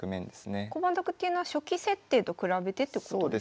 駒得っていうのは初期設定と比べてってことですか？